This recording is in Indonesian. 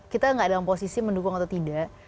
kita nggak dalam posisi mendukung atau tidak